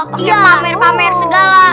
pakai pamer pamer segala